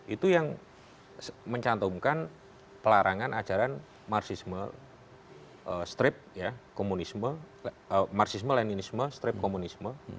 itu yang mencantumkan pelarangan ajaran marxisme strip komunisme marxisme leninisme strip komunisme